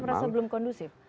merasa belum kondusif